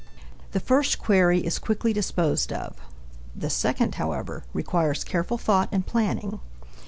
The first query is quickly disposed of. The second, however, requires careful thought and planning.